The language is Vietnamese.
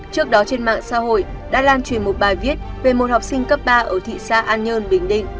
trước đó trên mạng xã hội đã lan truyền một bài viết về một học sinh cấp ba ở thị xã an nhơn bình định